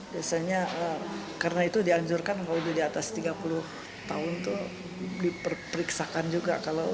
biasanya karena itu dianjurkan kalau udah di atas tiga puluh tahun itu diperiksakan juga